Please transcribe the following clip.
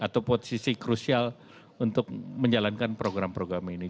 atau posisi krusial untuk menjalankan program program ini